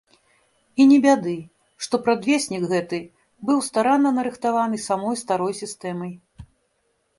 І не бяды, што прадвеснік гэты быў старанна нарыхтаваны самой старой сістэмай.